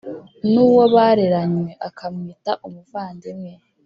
n’uwo bareranywe akamwita umuvandimwe